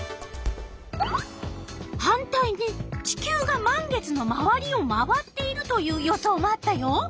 反対に地球が満月のまわりを回っているという予想もあったよ。